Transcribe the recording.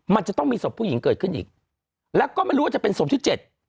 มันจะต้องมีศพผู้หญิงเกิดขึ้นอีกแล้วก็ไม่รู้ว่าจะเป็นศพที่เจ็ด